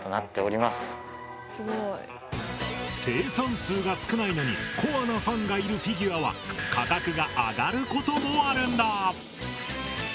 生産数が少ないのにコアなファンがいるフィギュアは価格が上がることもあるんだ。